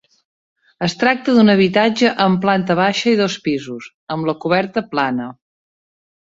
Es tracta d'un habitatge amb planta baixa i dos pisos, amb la coberta plana.